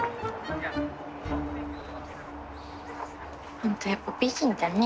ほんとやっぱ美人だね。